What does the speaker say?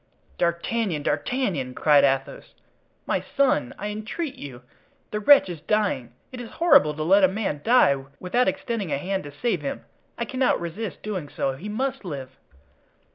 "D'Artagnan! D'Artagnan!" cried Athos, "my son, I entreat you; the wretch is dying, and it is horrible to let a man die without extending a hand to save him. I cannot resist doing so; he must live."